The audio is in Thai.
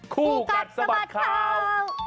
คู่กับสมัสข่าว